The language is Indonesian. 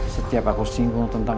setiap aku singgung tentang